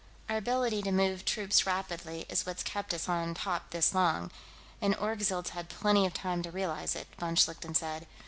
"Our ability to move troops rapidly is what's kept us on top this long, and Orgzild's had plenty of time to realize it," von Schlichten said.